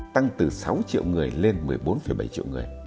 tăng từ sáu triệu người lên một mươi bốn bảy triệu người